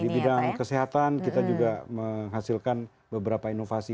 di bidang kesehatan kita juga menghasilkan beberapa inovasi